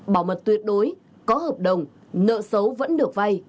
bảo mật tuyệt đối có hợp đồng nợ xấu vẫn được vay